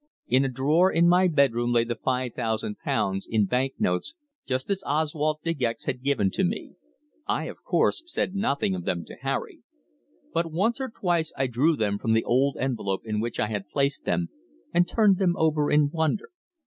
In a drawer in my bedroom lay the five thousand pounds in bank notes just as Oswald De Gex had given to me. I, of course, said nothing of them to Harry. But once or twice I drew them from the old envelope in which I had placed them, and turned them over in wonder.